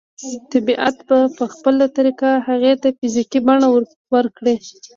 طبيعت به په خپله طريقه هغې ته فزيکي بڼه ورکړي.